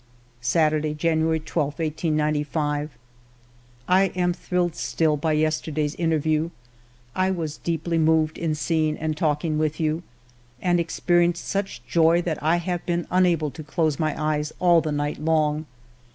...Saturday, January 12, 1895. " I am thrilled still by yesterday's interview ; I was deeply moved in seeing and talking with you, and experienced such joy that I have been unable to close my eyes all the night long.